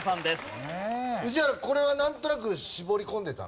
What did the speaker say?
宇治原これはなんとなく絞り込んでたの？